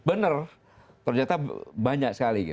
benar ternyata banyak sekali